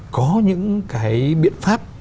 có những cái biện pháp